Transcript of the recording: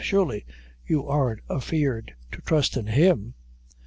Surely you aren't afeard to trust in Him.